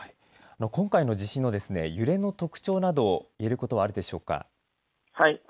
今回の地震の揺れの特徴など言えることはあるでしょうか。